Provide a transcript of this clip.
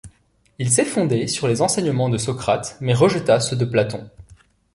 Il s'est fondé sur les enseignements de Socrate, mais rejeta ceux de Platon.